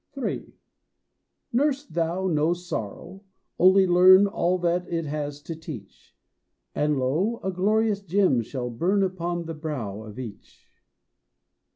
III. Nurse thou no sorrow, only learn All that it has to teach, And lo, a glorious gem shall burn Upon the brow of each.